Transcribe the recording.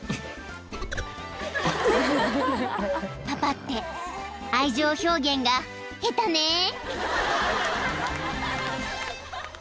［パパって愛情表現が下手ね］